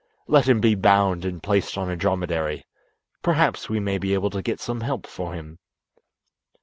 Let him be bound and placed on a dromedary. Perhaps we may be able to get some help for him."